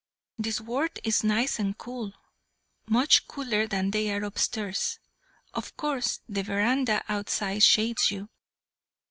This ward is nice and cool, much cooler than they are upstairs. Of course the verandah outside shades you.